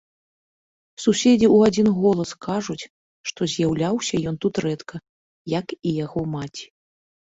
Суседзі ў адзін голас кажуць, што з'яўляўся ён тут рэдка, як і яго маці.